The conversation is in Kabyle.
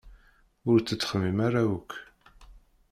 Ur tettxemmim ara akk!